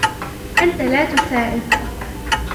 أنت لا تساعد.